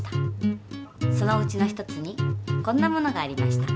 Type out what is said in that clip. そのうちの一つにこんなものがありました。